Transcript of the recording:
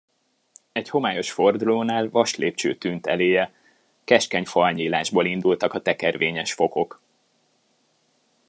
Egy homályos fordulónál vaslépcső tűnt eléje, keskeny falnyílásból indultak a tekervényes fokok.